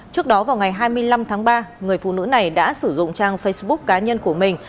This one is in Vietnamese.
trước đó vào ngày hai mươi năm tháng ba người phụ nữ này đã sử dụng trang facebook cá nhân của mình